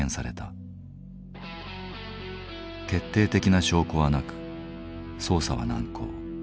決定的な証拠はなく捜査は難航。